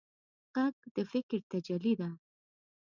غږ د فکر تجلی ده